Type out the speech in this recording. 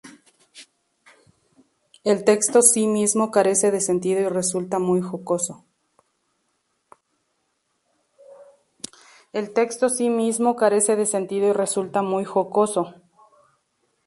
El texto sí mismo carece de sentido y resulta muy jocoso.